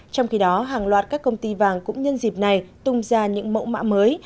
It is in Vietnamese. trong khi đó hàng loạt các công ty vàng cũng nhân dịp này tung ra những mẫu mã mới